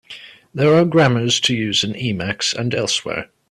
There are grammars to use in Emacs and elsewhere.